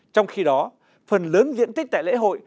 trong khi đó phần lớn diện tích tại lễ hội